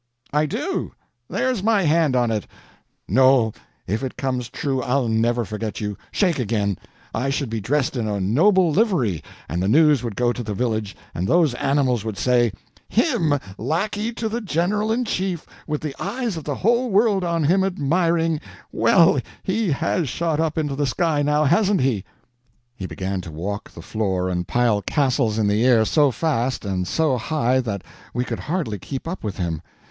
"I do. There's my hand on it." "Noel, if it comes true I'll never forget you—shake again! I should be dressed in a noble livery, and the news would go to the village, and those animals would say, 'Him, lackey to the General in Chief, with the eyes of the whole world on him, admiring—well, he has shot up into the sky now, hasn't he!" He began to walk the floor and pile castles in the air so fast and so high that we could hardly keep up with him.